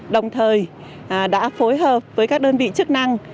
đồng thời đã phối hợp với các đơn vị chức năng